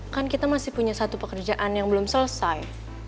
kan kita masih punya satu pekerjaan yang belum selesai